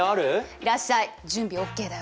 いらっしゃい！準備ＯＫだよ！